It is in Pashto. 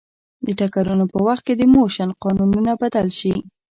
د ټکرونو په وخت د موشن قانونونه بدل شي.